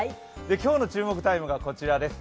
今日の注目タイムがこちらです。